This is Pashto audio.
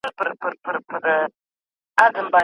استازي د حکومت نيمګړتياوې رسنيو ته وايي.